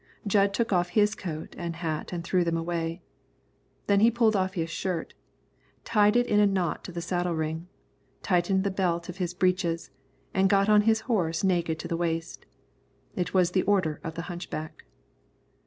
Jud took off his coat and hat and threw them away. Then he pulled off his shirt, tied it in a knot to the saddle ring, tightened the belt of his breeches, and got on his horse naked to the waist. It was the order of the hunchback.